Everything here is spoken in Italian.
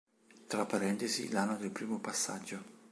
Tra parentesi l'anno del primo passaggio.